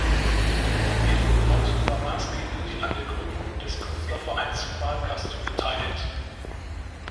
Hildebrandt war maßgeblich an der Gründung des Künstlervereins "Malkasten" beteiligt.